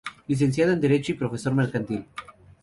Licenciado en Derecho y profesor mercantil.